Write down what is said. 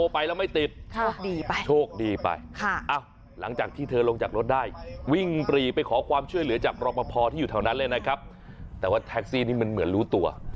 ไปขอความช่วยเหลือจากรบพอที่อยู่แถวนั้นเลยนะครับแต่ว่าแท็กซี่นี่มันเหมือนรู้ตัว